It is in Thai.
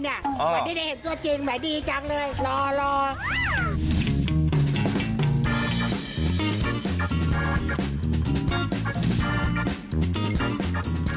คนที่ได้เห็นตัวจริงน่ะดีจังเลยหล่อ